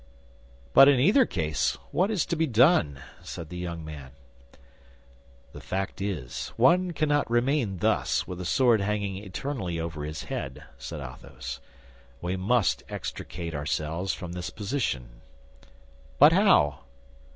"But in either case, what is to be done?" said the young man. "The fact is, one cannot remain thus, with a sword hanging eternally over his head," said Athos. "We must extricate ourselves from this position." "But how?"